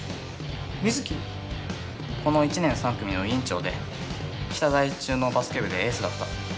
この１年３組の委員長で北第一中のバスケ部でエースだった。